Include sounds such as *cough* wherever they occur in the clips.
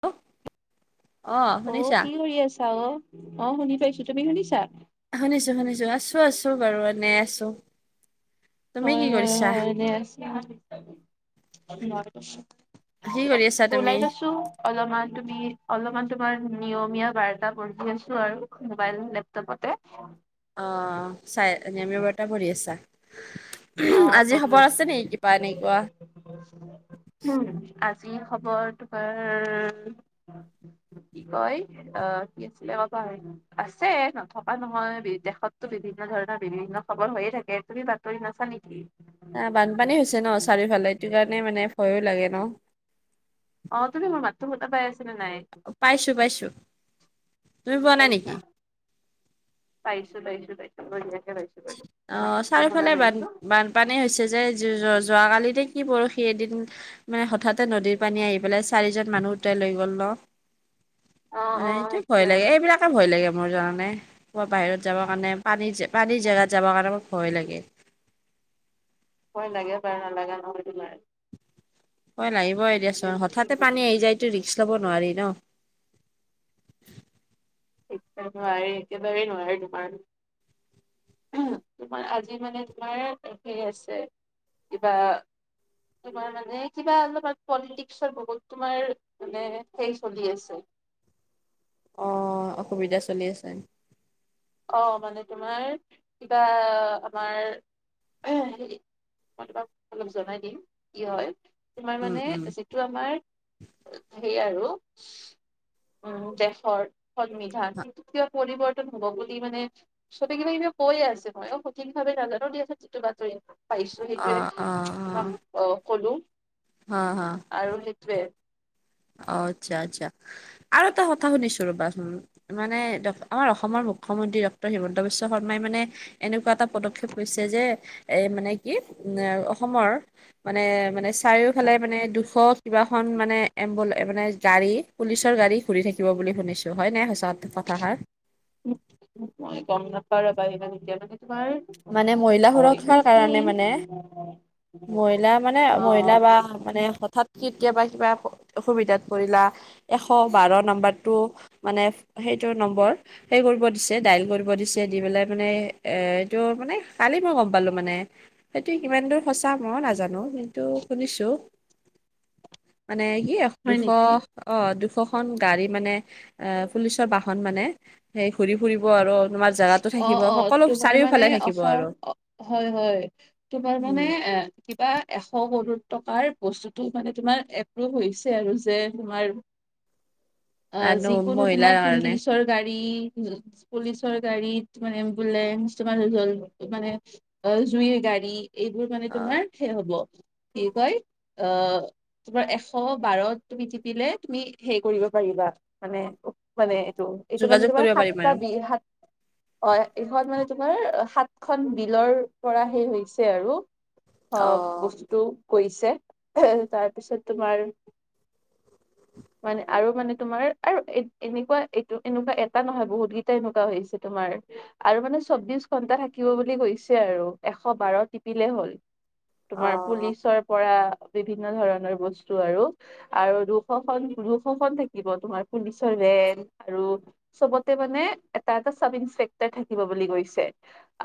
অ' অ' শুনিছা? কি কৰি আছা অ'-অ' শুনি পাইছোঁ তুমি শুনিছা? শুনিছোঁ-শুনিছোঁ আছোঁ-আছোঁ বাৰু এনেই আছোঁ। হয়-হয়-হয় এনে আছোঁ। কি কৰি আছাঁ তুমি? অলপমান তুমি অলপমান তোমাৰ নিয়মীয়া বাৰ্তা পঢ়ি আছোঁ আৰু মোবাইল, লেপটপতে। অ' অ' চাই নিয়মীয়াবাৰ্তা পঢ়ি আছাঁ। অ', পঢ়ি আছোঁ। কিবা এনেকুৱা? উম, আজি খবৰ তোমাৰ কি কয়, অ' কি আছিলে অ' পাহৰি গলোঁ আছে নথকা নহয়, বিদেশতো বিভিন্ন ধৰণৰ বিভিন্ন খবৰ হৈয়ে থাকে তুমি বা বাতৰি নাচা নেকি? অ' বানপানী হৈছে ন' চাৰিওফালে এইটো কাৰণে মানে ভয়ো লাগে ন'। অ' তুমি মোৰ মাততো শুনা পাই আছাঁ নাই? পাইছোঁ-পাইছোঁ তুমি পোৱা নাই নেকি? পাইছোঁ-পাইছোঁ-পাইছোঁ বহিয়া অ' চাৰিওফালে বান্ধ বান পানী হৈছে যে যোৱাকালিতে কি পৰহি এদিন মানে হঠাতে নদীৰ পানী আহি পেলাই চাৰিজন মানুহ উটাই লৈ গ'ল ন'। অ মানে অ এইটোৱে ভয় সেইটোৱে লাগে এইবিলাক। ভয় লাগে মোৰ জানানে মই বাহিৰত যাবৰ কাৰণে পানী পানীৰ জেগাত যাবৰ কাৰণে মোৰ ভয় লাগে। হয় লাগে পাৰ, নালাগা নহয়টো ন' হয় লাগিবই দিয়াচোন, হঠাতে পানী আহি যায়টো ৰিক্স ল'ব নোৱাৰি ন'। একদম নোৱাৰে একেবাৰে নোৱাৰে তোমাৰ। উম তোমাৰ আজি মানে তোমাৰ সেই আছে, কিবা তোমাৰ মানে কিবা অলপমান পলিটিক্সৰ বহুত তোমাৰ মানে সেই চলি আছে। অ' অসুবিধা চলি আছে। অ' মানে তোমাৰ কিবা আমাৰ হেৰি মই তোমাক অলপ জনাই দিম, কি হয় তোমাৰ উম মানে উম যে এইটো আমাৰ হে আৰু উম দেশৰ সংবিধান অ কিবা‌ পৰিৱৰ্তন হ'ব বুলি মানে চবেই কিবা-কিবি কৈয়ে আছে, ময়ো সঠিক ভাৱে নাজানো দি আছে যিটো বাতৰি পাইছো সেইটোয়ে অ অ তোমাক আ কলো। হা হা। আৰু সেইটোৱে, অ'আচ্ছা-আচ্ছা আৰু এটা কথা শুনিছোঁ ৰবা চোন মানে ড আমাৰ অসমৰ মুখ্যমন্ত্ৰী ডক্টৰ হিমন্ত বিশ্ব শৰ্মাই মানে এনেকুৱা এটা পদক্ষেপ লৈছে যে এই মানে কি অসমৰ মানে-মানে চাৰিওফালে মানে দুশ কিবাখন মানে এম্বুল এ মানে গাড়ী, পুলিচৰ গাড়ী ঘূৰি থাকিব বুলি শুনিছো হয় নাই সঁচা কথাখাৰ? মই গম নাপাওঁ ৰবা সিমান এতিয়া মানে তোমাৰ মানে মহিলা হয় সুৰক্ষাৰ নেকি কাৰণে মানে, মহিলা মানে মহিলা বা অ মানে হঠাৎ কেতিয়াবা কিবা অসুবিধাত পৰিলা এশ বাৰ নাম্বাৰটো, মানে সেইটো নম্বৰ, সে কৰিব দিছে ডাইল কৰিব দিছে, দি পেলাই মানে এ ত' মানে কালি মই গম পালো মানে। সেইটো কিমান দূৰ সঁচা মই নাজানো কিন্তু শুনিছো। মানে কি হয় দুশ নেকি অ দুশখন গাড়ী মানে এ পুলিচৰ বাহন মানে সেই ঘূৰি ফুৰিব আৰু তোমাৰ জাগাতো অ থাকিব অ সকলো তোমাৰ চাৰিও মানে অসম হয় হয়, তোমাৰ মানে উম এ কিবা এশ কৰোৰ টকাৰ বস্তুটো মানে তোমাৰ এপ্ৰভু হৈছে আৰু যে তোমাৰ, আ আৰু যিকোনো মহিলাৰ তোমাৰ কাৰণে পুলিচৰ গাড়ী, পুলিচ ৰ গাড়ী, তোমাৰ এম্বুলেন্স, তোমাৰ জ মানে অ জুইৰ গাড়ী এইবোৰ মানে অ তোমাৰ সে হব, কি কয় আহ তোমাৰ এশ বাৰত তুমি তিপিলে তুমি হে কৰিব পাৰিবা। মানে মানে এইটো এইটো যোগাযোগ মানে তোমাৰ কৰিব পাৰিম আৰু সাতটা বি সাত অ এখন মানে তোমাৰ সাতখন বিলৰ পৰা সেই হৈছে আৰু আহ অ', বস্তু কৰিছে তাৰপিছত তোমাৰ। মানে আৰু মানে তোমাৰ আৰু এ এনেকুৱা এইটো এনেকুৱা এটা নহয় বহুত কেইটা এনেকা। হৈছে তোমাৰ। আৰু মানে চৌবিশ ঘন্টা থাকিব বুলি কৈছে আৰু এশ বাৰ টিপিলে হ'ল। তোমাৰ অ', পুলিচৰ পৰা বিভিন্ন ধৰণৰ বস্তু আৰু আৰু দুশখন দুশখন থাকিব তোমাৰ পুলিচৰ ভেন আৰু চবতে মানে এটা এটা চাব ইনসপেক্টৰ থাকিব বুলি কৈছে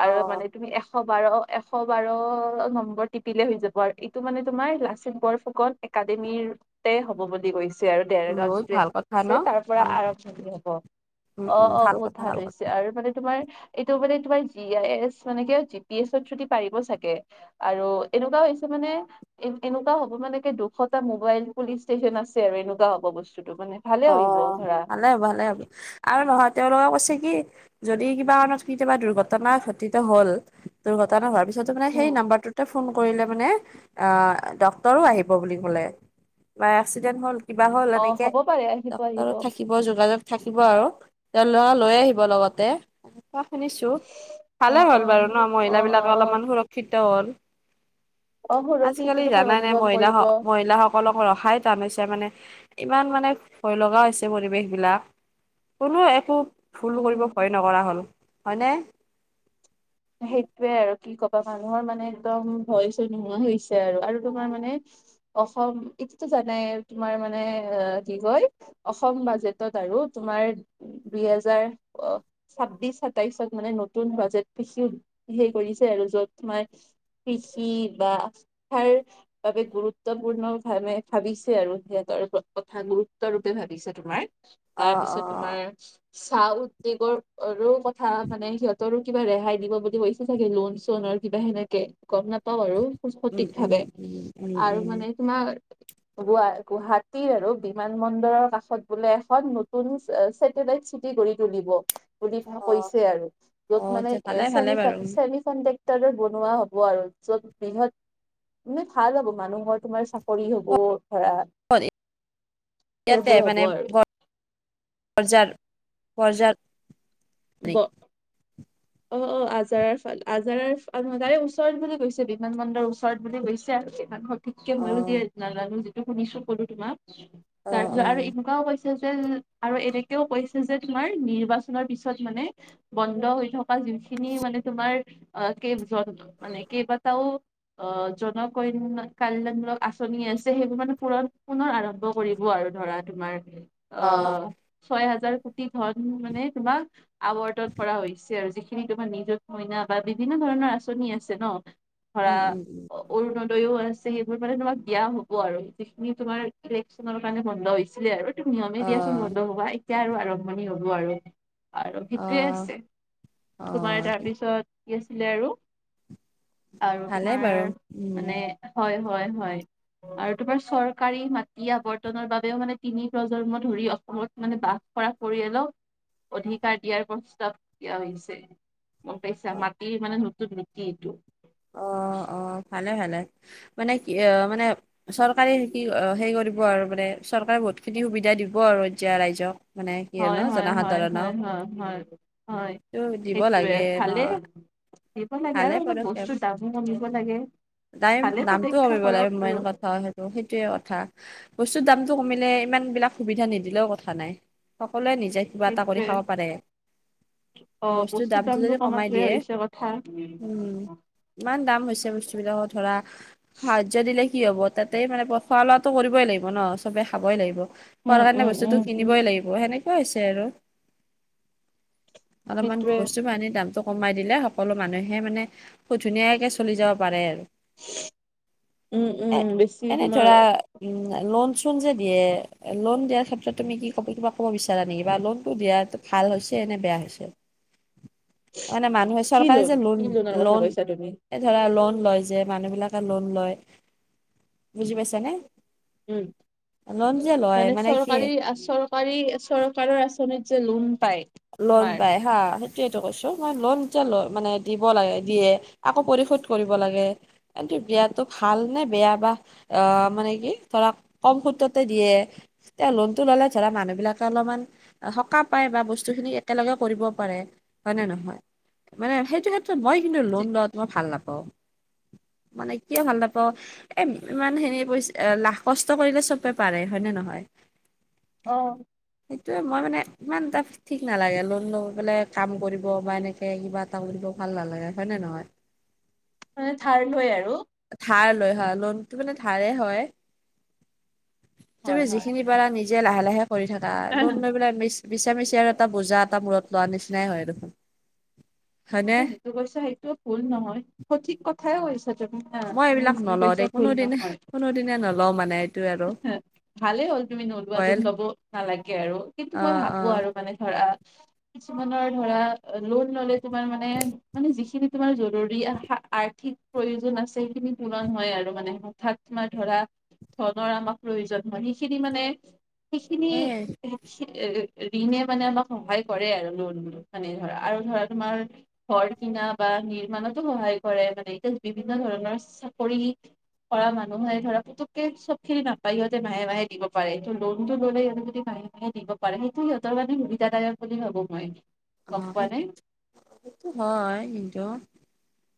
আৰু অ', মানে তুমি এশ এশ বাৰ এশ বাৰ নম্বৰ টিপিলে হৈ যাব আৰু এইটো মানে তোমাৰ লাচিত বৰফুকন, একাডেমি তে হ'ব বুলি কৈছে। আৰু দেৰগাঁও বহুত যিটো ভাল কথা ন? আছে তাৰ পৰা ভাল আৰম্ভণি হব। উম, অ উম, অ বহুত কথা, ভাল কথা। হৈছে আৰু আৰু মানে তোমাৰ এইটো মানে তোমাৰ জি আই এ মানে জি পি এছদি পাৰিব চাগে। আৰু এনেকুৱা হৈছে মানে। এ এনেকুৱা হ'ব মানে কি দুশটা মোবাইল পুলিচ ষ্টেচন আছে আৰু এনেকুৱা হ'ব বস্তুতটো মানে। ভালে অ আহিব ধৰা ভালে হ'ব ভালে হ'ব। আৰু নহয় তেওঁলোকে কৈছে কি যদি কিবা কাৰত কেতিয়াবা দুৰ্ঘটনা ঘটিত হল। দুৰ্ঘটনা হোৱাৰ পিছতো মানে সেই উম নাম্বাৰটোত। ফোন কৰিলে মানে ডক্টৰ আহিব বুলি ক'লে বা এক্সিডেণ্ট হ'ল, কিবা হ'ল অ এনেকে হ'ব পাৰে আহ, থাকিব বৰ যোগাযোগ থাকিব আৰু তেওঁ লৰা লৈ আহিব লগতে কোৱা শুনিছো। অ ভালে অ হ'ল বাৰু ন অ মহিল বিলাকে অ অলপমান সুৰক্ষিত হল। অ সুৰক্ষিত আজিকালি তোমাৰ জানা নাই অনুভৱ মহিলা কৰিব হক মহিলা হক, অকল ৰখাই টানিছে মানে ইমান মানে। ভয় লগা হৈছে পৰিৱেশ বিলাক কোনো একো ভুল কৰিব উম ভয় নকৰা হ'ল। হয়নে। সেইটোয়ে আৰু কি ক'বা মানুহৰ মানে একদম ভয় চয় নোহোৱা হৈছে আৰু। আৰু তোমাৰ মানে অসম এইটোতো জানাই তোমাৰ মানে আ কি কয় অসম বাজেটত আৰু তোমাৰ। দুই হেজাৰ অ ছাব্বিশ সাতাইশত মানে নতুন বাজেট, কৃষি হে কৰিছে আৰু যত তোমাৰ কৃষি বা সাৰ বাবে গুৰুত্বপূৰ্ণ ভাবে ভাবিছে আৰু সিহঁতৰ কথা গুৰুত্বৰূপে ভাবিছে তোমাৰ। অ অ তাৰপিছত তোমাৰ চাহ উদ্যোগৰো কথা মানে সিহঁতৰো কিবা ৰেহ- হাই দিব বুলি হৈছে চাগে লোন চন আৰু কিবা সেনেকে গম নাপাও আৰু উম সঠিক উম ভাৱে উম উম আৰু উম মানে তোমাৰ গুৱা গুৱাহাটী আৰু বিমান বন্দৰৰ কাষত বোলে এখন নতুন চে চেত- দেদাই চিটি কৰি তুলিব বুলি ভা অ কৈছে আৰু অ য'ত মানে যে ভালে এ ভালে চেমি বাৰু চাত চে ফেনিচান টেক্টৰো বনোৱা হ'ব আৰু য'ত বৃহৎ মানে ভাল হ'ব মানুহৰ তোমাৰ চাকৰি হব ধৰা *unintelligible* ইয়াতে সেইবোৰ হ'ব মানে আৰু গঢ় বজাৰ বজাৰ ব অ অ আজাৰৰ ফাল আজাৰে ফ আজাৰে ওচৰত বুলি কৈছে বিমান বন্দৰ ওচৰত বুলি গৈছে আৰু কিমান সত- ঠিককে অ ময়ো দিয়ে নাজানো যিটো শুনিছো কলো তোমাক অ অ তাৰপিছত আৰু এনেকুৱাও কৈছ- *unintelligible* আৰু এনেকেও কৈছে যে তোমাৰ নিৰ্বাচনৰ পিছত মানে বন্ধ হৈ থকা যোনখিনি মানে তোমাৰ অ কেব য মানে কেইবাটাও অ জন কন্য কল্যাণমূলক আঁচনি আছে সেইবোৰ মানে পুৰ পুনৰ আৰম্ভ কৰিব আৰু ধৰা। তোমাৰ অ ছয় হাজাৰ কোটি ধন মানে তোমাক আৱৰ্তন কৰা হৈছে আৰু যিখ- তোমাৰ নিজৰ কইনা বা বিভিন্ন ধৰণৰ আঁচনি আছে ন ধৰা উম উম উম অৰুণোদয়ও আছে সেইবোৰ মানে তোমাক দিয়া হ'ব আৰু যিখিনি তোমাৰ ইলেকশ্যনৰ কাৰণে বন্ধ হৈছিলে আৰুত। টো নিয়মে অ দিয়াচোন বন্ধ হবা এতিয়া আৰু আৰম্ভণি হ'ব আৰু। আৰু অ সেইটোৱে আছে অ তোমাৰ তাৰপিছত কি আছিলে আৰু। আৰু ভালেই তোমাৰ বাৰু উম মানে হয় হয় হয়। আৰু তোমাৰ চৰকাৰী মাটি আৱৰ্তনৰ বাবেও মানে তিনি প্ৰজন্ম ধৰি অসমত মানে বাস কৰা পৰিয়ালক অধিকাৰ দিয়াৰ প্ৰস্তাৱ দিয়া হৈছে। মোক পাইছা মাটিৰ মানে নতুন নীতি এইটো। অ অ ভালে ভালে মানে কি অ মানে চৰকাৰে কি সেই কৰিব আৰু মানে চৰকাৰে বহুতখিনি সুবিধা দিব আৰু এতিয়া ৰাইজক। মানে কি আৰু হয় ন হয় হয় হয় জনসাধাৰণক হয় হয় হয়। টো দিব সেইটোয়ে লাগে ন ভালে দিব লাগে ভালে আৰু অলপ বস্তুৰ দামো কমিব লাগে। টাইম ভালে দামটো পদক্ষেপ কমিব লাগে কৰক মেইন আৰু কথা সেইটো সেইটোৱে কথা। বস্তুৰ দামটো কমিলে ইমান বিলাক সুবিধা নিদিলেও কথা নাই সকলোৱে নিজায়। কিবা এটা কৰি সেইটোৱে খাব পাৰে, বস্তুৰ দামটো যদি কমাই দিয়ে। থা উম *unintelligible* ইমান দাম হৈছে বস্তুবিলাকৰ ধৰা সাহাৰ্য দিলে কি হব তাতেই মানে খোৱা লোৱা কৰিবই লাগিব ন চবে খাবই লাগিব। খোৱাৰ উম কাৰণে উম বস্তুতটো উম উম কিনিবই লাগিব সেনেকুৱা হৈছে আৰু। অলপমান সেইটোৱে বস্তু বাহানীৰ দামতটো কমাই দিলে হওঁক। সকলো মানুহে মানে খুব ধুনীয়াকে চলি যাব পাৰে আৰু। উম উম বেছি এনে তোমাৰ ধৰা। উম লোন চোন যে দিয়ে লোন দিয়াৰ ক্ষেত্ৰত তুমি কি কবি কিবা ক'ব বিচাৰা নেকি বা লোনটোত দিয়াত ভাল হৈছে নে বেয়া হৈছে। *inaudible* মানে মানুহে কি চৰকাৰে যে কি লোন লোনৰ কথা লোন কৈছা তুমি এই ধৰা লোন লয় যে মানুহ বিলাকে লোন লয়, বুজি পাইছানে? উম লোন যে লয় মানে কি চৰকাৰী চৰ চৰকাৰী চৰকাৰৰ আঁচনিত যে লোন পায, লোন পাই হা। এইটো কৈছো মই লোন এতিয়া ল মানে দিব লাগে দিয়ে আকৌ পৰিশোধ কৰিব লাগে। এটো বিয়াতো ভাল নে বেয়া বা। আহ মানে কি ধৰা কম সূত্ৰতে দিয়ে। তে লোনতটো ল'লে ধৰা মানুহ বিলাকে অলপমান সকাহ পাই বা বস্তু বস্তু খিনি একেলগে কৰিব পাৰে, হয় নে নহয়? মানে সেইটো ক্ষেত্ৰত মই কিন্তু লোন লোৱা তো মই ভাল নাপাওঁ। মানে কিয় ভাল নাপাওঁ, এ ইমান সেনে পইা লাখ কষ্ট কৰিলে চবে পাৰে হয় নে নহয়। অ। সেইটোয়ে মই মানে ইমান তাৰ ঠিক নালাগে লোন লৈ পেলাই কাম কৰিব বা এনেকৈ কিবা এটা কৰিব ভাল নালাগে হয়নে নহয়। মানে ধাৰলৈ আৰু। ধাৰ লৈ হয়, লোনটো মানে ধাৰে হয়। হয় তুমি হয় যিখিনি কিবা এটা নিজে লাহে লাহে কৰি থাকা লোন লৈ পেলাই মিছা মিছি আৰু এটা বোজা এটা মূৰত লোৱা নিচিনাই হয় দেখোন। হয়নে তুমি যিটো কৈছা সেইটোও ভুল নহয় সঠিক কথাইও কৈছা। মই তুমি এইবিলাক যি নলওঁ কৈছা দেই ভুল কোনোদিনে নহয়। কোনোদিনে নলওঁ মানে এইটো আৰু ভালে হ'ল তুমি নোলোৱা যদি অইল লব নালাগে আৰু কিন্তু অ মই অ ভাবো আৰু মানে ধৰা কিছুমানৰ ধৰা লোন ললে তোমাৰ মানে মানে যিখিনি তোমাৰ জৰুৰী আৰ্থিক প্ৰয়োজন আছে সেইখিনি পূৰণ হয় আৰু, মানে হঠাৎ তোমাৰ ধৰা ধৰনৰ আমাক প্ৰয়োজন হয়। সেইখিনি মানে সেইখিনি সেই ঋণে মানে আমাক সহায় কৰে আৰু লোন মানে ধৰা আৰু ধৰা তোমাৰ ঘৰ কিনা বা নিৰ্মাণতো সহায় কৰে মানে এতিয়া বিভিন্ন ধৰণৰ চাকৰি কৰা মানুহে ধৰা পুটুকে চব খিনি নাপায়, ইহতে মাহে মাহে দিব পাৰে, ত লোনটো ল'লে সিহঁতে যদি মাহে দিব পাৰে, সেইটো সিহঁতৰ মানে সুবিধাদায়ক বুলি ভাবো মই। গম আহ পোৱা সেই নে সেইটো হয় কিন্তু।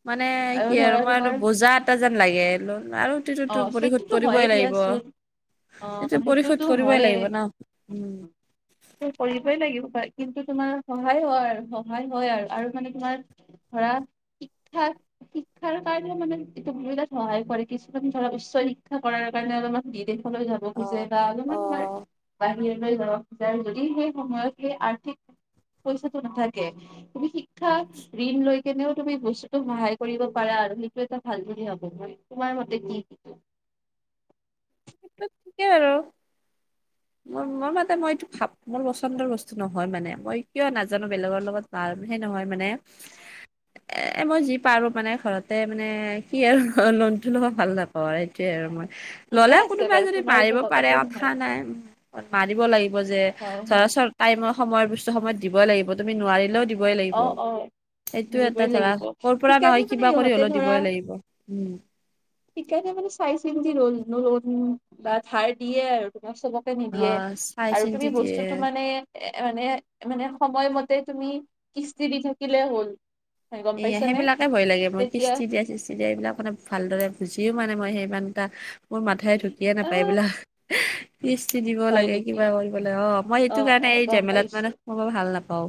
মানে কি আৰু ধৰা মই আৰু তোমাৰ বজা এটা যেন লাগে লোণ আৰু অ পৰিশোধ সেইটোতো হয়ে কৰিবই লাগিব। দিয়াচোন অ এইটো পৰিশোধ সেইটোতো কৰিবই হয়ে লাগিব ন উম। কৰিবই লাগিব তই। কিন্তু তোমাৰ সহায় হয় আৰু সহায় হয় আৰু আৰু মানে তোমাৰ ধৰা ঠিকঠাক শিক্ষাৰ কাৰণে মানে এইটোবিলাত সহায় কৰে, কিছুমান ধৰা উচ্চ শিক্ষা কৰাৰ কাৰণে অলপমান বিদেশলৈ যাব খুজে অ', বা অলপমান তোমাৰ অ'। বা হিৰলৈ যাব খোজে যদি সেই সময়ত সেই আৰ্থিক পইচাটো নাথাকে, তুমি শিক্ষা ঋণ লৈ কেনেও তুমি বস্তুতো সহায় কৰিব পাৰা আৰু সেইটো এটা ভাল বুলি ভাবো মই। তোমাৰ মতে কি? তাকেই আৰু। মোৰ মই মতে মই এইটো ভাব মোৰ পচন্দৰ বস্তু নহয় মানে, মই কিয় নাজানো বেলেগৰ লগত- বাৰ সে নহয় মানে *unintelligible* এ মই যি পাৰো মানে ঘৰতে মানে কি আৰু লোনটো লব ভাল নাপাওঁ আৰু এইটোৱে আৰু মই। ঠিকে ল'লে আছে কোনোবাই বাৰু যদি তোমাৰ মাৰিব এইটো পাৰে একো নহয় কথা নাই। মাৰিব লাগিব যে, হয় ধৰা হয় চব টাইমৰ সময় বস্তু সময়ত দিবই লাগিব, তুমি নোৱাৰিলেও দিব দিবই অ লাগিব। অ সেইটো দিবই এটা ধৰা, লাগিব কৰপৰা সেইকাৰণে নহয় মানে কিবা কৰি ইহঁতে হলেও ধৰা দিবই লাগিব উম। সেইকাৰণে মানে চাই-চিন্তি ললো ধাৰ দিয়ে আৰু তোমাৰ চবক- অ', নিদিয়ে চাই আৰু চিন্তি তুমি দিয়ে। বস্তুটো মানে, এ মানে মানে সময়মতে তুমি কিস্তি দি থাকিলে হ'ল। গম এইয়া পাইছানে সেইবিলাকে ভয় লাগে মোৰ তেতিয়া কিস্তি দিয়া চিস্তি দিয়া এইবিলাক মানে। ভালদৰে বুজিও পোৱা মই সিমান এটা মোৰ মাথাই ঢুকিয়ে নাপায় আহ এইবিলাক। কিস্তি দিব হয় লাগে, নেকি কিবা কৰিব লাগে, অ মই অ সেইটো অ কাৰণে এই গম জেমেলাত পাইছো মানে মই ভাল নাপাওঁ।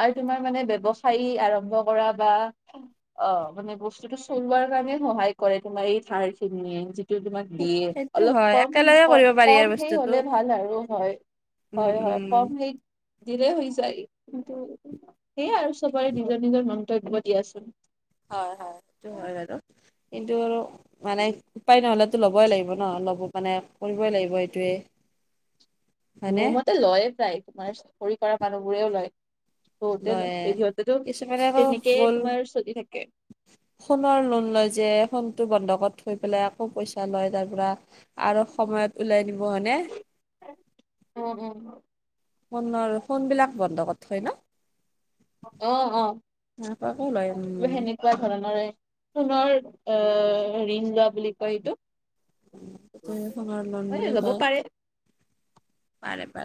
আৰু তোমাৰ মানে ব্যৱসায় আৰম্ভ কৰা বা অ মানে বস্তুটো চলোৱাৰ কাৰণে সহায় কৰে তোমাৰ এই ধাৰ খিনিয়ে। তোমাক দিয়ে, সেইটো হয় অলপ কম একেলগে কৰিব পাৰি আৰু কম সেই বস্তুটো হলে ভাল আৰু হয়। উম, হয় হয় ফৰ্ম উম। সেই দিলেই হৈ যায়, কিন্তু সেইয়াই আৰু চবৰে নিজৰ নিজৰ মন্তব্য দিয়াচোন। হয় হয়, সেইটো হয় বাৰু। কিন্তু মানে উপায় নহ'লে টো ল'বই লাগিব ন, ল'ব মানে কৰিবই লাগিব এইটোৱে। হয়নে মোৰ মতে লয়ে প্ৰায়, তোমাৰ চাকৰি কৰা মানুহবোৰেও লয়। বহুতে লয়, সিহঁতেতো কিছুমানে আকৌ তেনেকেই গ'ল তোমাৰ চলি থাকে। ফোনৰ লোন লয় যে, ফোনটো বন্ধ কৰি থৈ পেলাই আকৌ পইচা লয় তাৰ পৰা। আৰু সময়ত উলাই নিব হয়নে। উম উম ফোনৰ ফোন বিলাক বন্ধ কত থয় ন। অ অ, সেনেকুৱাকে লয় সেনে- উম কুৱা ধৰণৰে সোনৰ অ ঋণ লোৱা বুলি কয় এইটো। ফোনৰ লোন বুলি এ লব কয় পাৰে। পাৰে পাৰে